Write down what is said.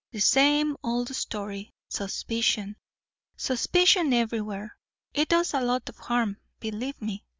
"The same old story. Suspicion suspicion everywhere. It does a lot of harm, believe me.